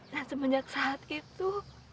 dan semenjak saat itu